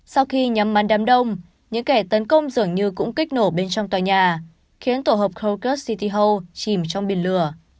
sau khi nhắm mắt đám đông những kẻ tấn công dường như cũng kích nổ bên trong tòa nhà khiến tổ hợp krakow city hall chìm trong bình lửa